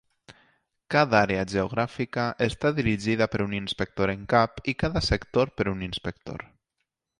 Cada àrea geogràfica està dirigida per un inspector en cap i cada sector per un inspector.